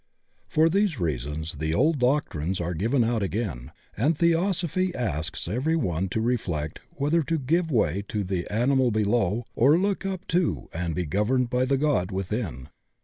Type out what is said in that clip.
For these reasons the old doctrines are given out again, and Theosophy asks every one to reflect whether to give way to the animal below or look up to and be governed by the God within.